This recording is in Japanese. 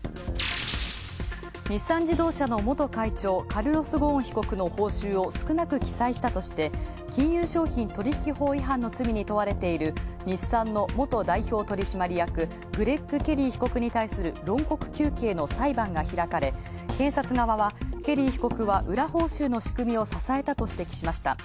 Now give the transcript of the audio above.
日産自動車の元会長カルロス・ゴーン被告の報酬を少なく記載したとして金融商品取引法違反の罪に問われている日産の元代表取締役、グレッグ・ケリー被告に対する論告求刑の裁判が開かれ、検察側は裏報酬の仕組みを支えたと指摘しました。